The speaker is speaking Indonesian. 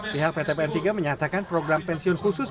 pihak ptpn tiga menyatakan program pensiun khusus